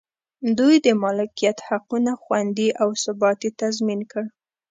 دوی د مالکیت حقونه خوندي او ثبات یې تضمین کړ.